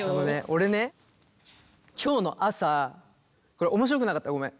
俺ね今日の朝これ面白くなかったらごめん。